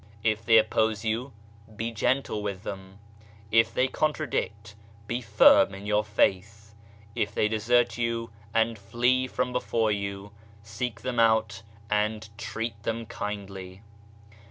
If they oppose you be gentle with them, if they contradict be firm in your faith, if they desert you and flee from before you, seek them out and treat them kindly.